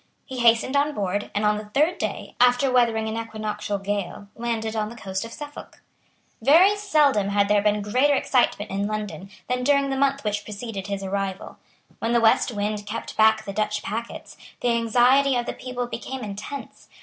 He hastened on board, and on the third day, after weathering an equinoctial gale, landed on the coast of Suffolk. Very seldom had there been greater excitement in London than during the month which preceded his arrival. When the west wind kept back the Dutch packets, the anxiety of the people became intense.